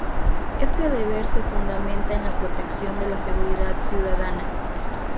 Este deber se fundamenta en la protección de la seguridad ciudadana.